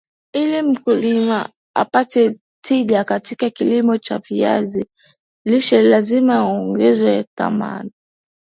Ili mkulima apate tija katika kilimo cha viazi lishe lazima aongeze thamani